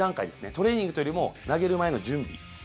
トレーニングというよりも投げる前の準備。